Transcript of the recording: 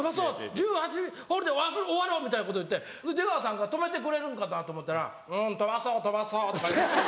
１８ホールで終わろう」みたいなこと言って出川さんが止めてくれるんかなと思ったら「うん飛ばそう飛ばそう」とか言って。